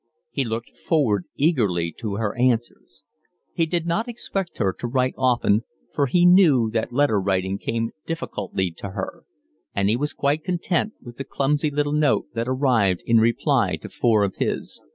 He looked forward eagerly to her answers. He did not expect her to write often, for he knew that letter writing came difficultly to her; and he was quite content with the clumsy little note that arrived in reply to four of his.